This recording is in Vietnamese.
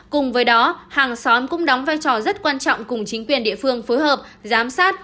cùng với đó hàng xóm cũng đóng vai trò rất quan trọng cùng chính quyền địa phương phối hợp giám sát